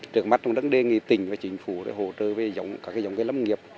trước mắt cũng đang đề nghị tỉnh và chính phủ để hỗ trợ với các dòng lâm nghiệp